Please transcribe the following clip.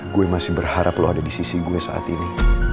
gue masih berharap lo ada di sisi gue saat ini